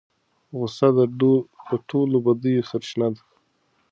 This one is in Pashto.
غصه د ټولو بدیو سرچینه ده.